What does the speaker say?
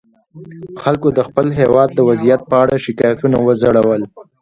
خلکو د خپل هېواد وضعیت په اړه شکایتونه وځړول.